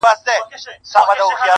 چي رمې به گرځېدلې د مالدارو!.